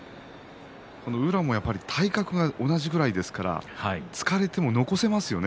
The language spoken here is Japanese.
宇良も体格が同じくらいですから突かれても残せますよね。